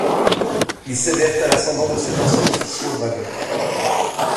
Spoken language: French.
Ils cédèrent à l'ascendant de cet ancien officier aux dragons.